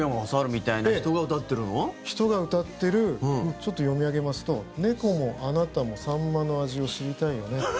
みたいな人が歌ってるちょっと読み上げますと「猫もあなたもサンマの味を知りたいよね